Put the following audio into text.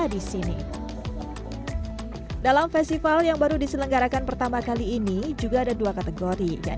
di sini dalam festival yang baru diselenggarakan pertama kali ini juga ada dua kategori yang